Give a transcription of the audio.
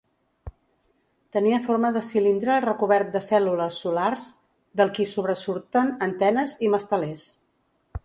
Tenia forma de cilindre recobert de cèl·lules solars del qui sobresurten antenes i mastelers.